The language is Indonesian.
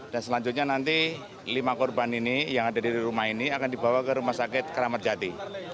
dan selanjutnya nanti lima korban ini yang ada di rumah ini akan dibawa ke rumah sakit keramadjati